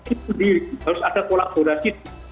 itu harus ada kolaborasi